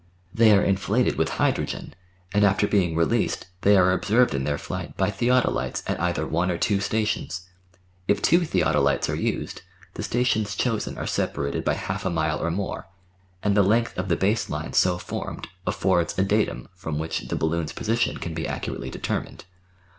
They are inflated with hydrogen, and after being re leased they are observed in their flight by theodolites at either one or two stations. If two theodolites are used, the stations chosen are separated by half a mile or more, and the length of the base line so formed affords a datum from which the balloon's position can be accurately determined.